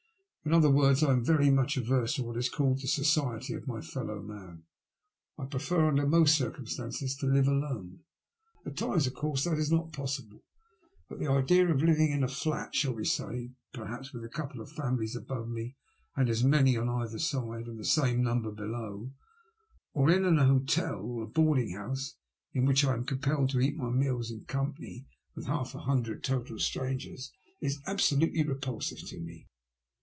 In other words, I am very much averse to what is called the society of my fellow man; I prefer, under most circumstances, to live alone. At times, of course, that is not possible. But the idea of living in a flat, shall we say, with perhaps a couple of families above me, as many on either side, and the same number below ; or in an hotel or a boarding house, in which I am compelled to eat my meals in company with half a hundred total strangers, is absolutely repulsive to me.